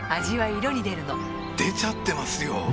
味は色に出るの出ちゃってますよ！